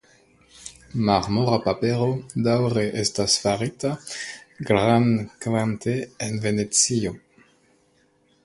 Marmora papero daŭre estas farita grandkvante en Venecio.